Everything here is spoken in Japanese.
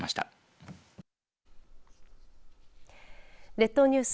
列島ニュース